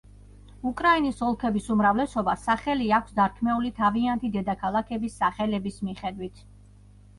უკრაინის ოლქების უმრავლესობას სახელი აქვს დარქმეული თავიანთი დედაქალაქების სახელების მიხედვით.